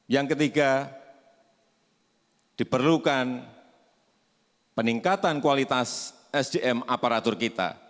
yang ketiga diperlukan peningkatan kualitas sdm aparatur kita